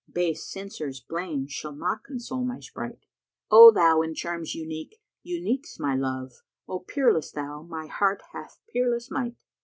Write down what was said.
* Base censor's blame shall not console my sprite! O thou in charms unique, unique's my love; * O peerless thou, my heart hath peerless might!